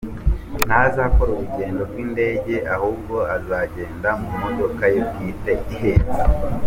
Ntazakora urugendo rw’indege ahubwo azagenda mu modoka ye bwite ihenze.